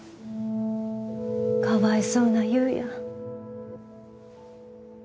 かわいそうな夕也